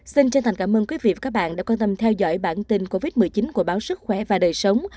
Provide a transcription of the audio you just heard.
xin chân thành cảm ơn quý vị và các bạn đã quan tâm theo dõi bản tin covid một mươi chín của báo sức khỏe và đời sống